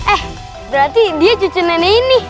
eh berarti dia cucu nenek ini